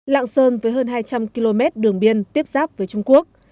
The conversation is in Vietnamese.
lạng sơn với hơn hai trăm linh km đường biên tiếp giáp với trung quốc